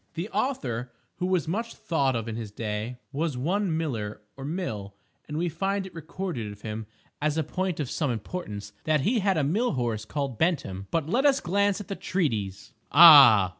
The author (who was much thought of in his day) was one Miller, or Mill; and we find it recorded of him, as a point of some importance, that he had a mill horse called Bentham. But let us glance at the treatise! Ah!